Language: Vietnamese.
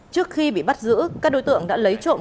trước khi bị bắt giữ các đối tượng đã lấy trộm